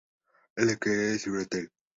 En la actualidad es un hotel.